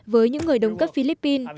với những người đồng cấp philippines